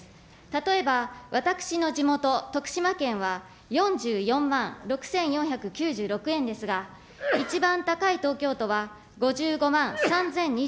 例えば、私の地元、徳島県は４４万６４９６円ですが、一番高い東京都は、５５万３０２１円。